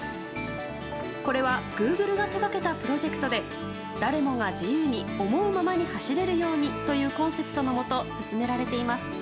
これはグーグルが手がけたプロジェクトで「誰もが自由に、思うままに走れるように。」というコンセプトのもと進められています。